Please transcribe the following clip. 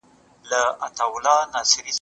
د افغانستان دغه زړور زوی د اصفهان فاتح شو.